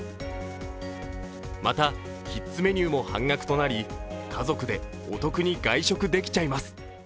また、キッズメニューも半額となり家族でお得に外食できちゃいます。